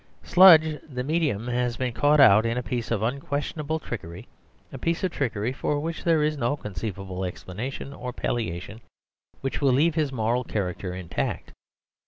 Sludge the Medium has been caught out in a piece of unquestionable trickery, a piece of trickery for which there is no conceivable explanation or palliation which will leave his moral character intact.